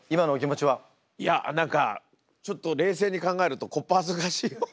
いや何かちょっと冷静に考えると小っ恥ずかしい。